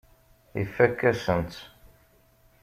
Ifakk-asen-tt.